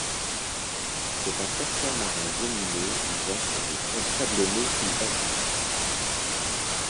C'est un serpent marin venimeux vivant sur les fonds sablonneux ou vaseux.